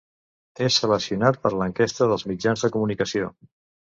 És seleccionat per l'enquesta dels mitjans de comunicació.